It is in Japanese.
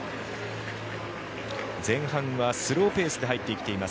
前半はスローペースで入ってきています。